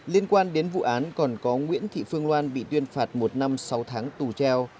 liên quan đến vụ án còn có nguyễn thị phương loan bị tuyên phạt một năm sáu tháng tù treo